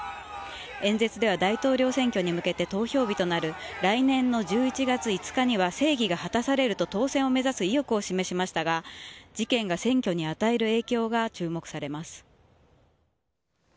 演説では大統領選挙に向けて投票日となる来年の１１月５日には正義が果たされると当選を目指す意欲を示しましたが事件が選挙に与える影響が注目されます。